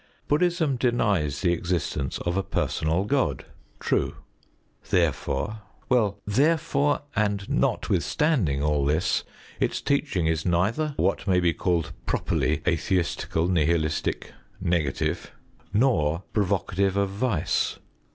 Bud╠Żd╠Żhism denies the existence of a personal God true: therefore well, therefore, and notwithstanding all this, its teaching is neither what may be called properly atheistical, nihilistic, negative, nor provocative of vice.